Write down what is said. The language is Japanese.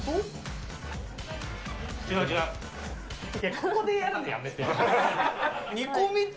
ここでやるのやめて。